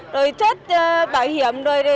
rồi chốt bảo hiểm